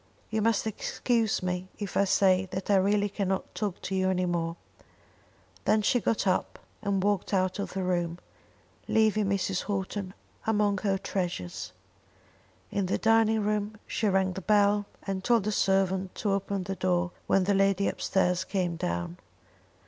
You must excuse me if I say that I really cannot talk to you any more." Then she got up and walked out of the room, leaving Mrs. Houghton among her treasures. In the dining room she rang the bell and told the servant to open the door when the lady upstairs came down.